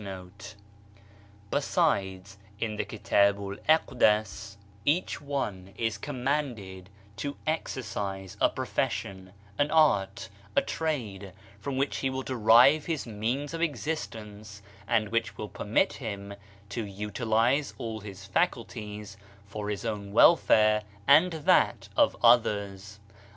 56 (Chicago, 1905) 164 WORK 165 one is commanded to exercise a profession, an art, a trade, from which he will derive his means of existence and which will permit him to utilise all his faculties for his own welfare and that of others.